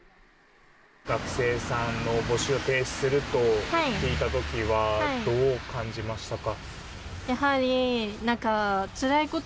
学生さんの募集を停止すると聞いた時はどう感じましたか。